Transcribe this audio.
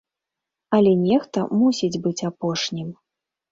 Але нехта мусіць быць апошнім.